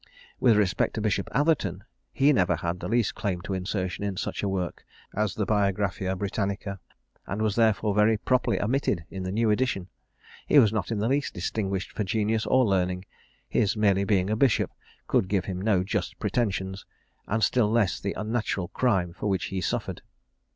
"With respect to Bishop Atherton, he never had the least claim to insertion in such a work as the Biographia Britannica, and was therefore very properly omitted in the new edition. He was not in the least distinguished for genius or learning; his merely being a bishop could give him no just pretensions, and still less the unnatural crime for which he suffered.